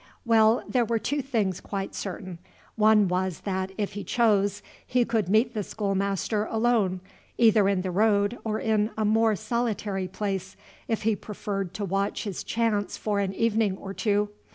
Well, there were two things quite certain. One was, that, if he chose, he could meet the schoolmaster alone, either in the road or in a more solitary place, if he preferred to watch his chance for an evening or two.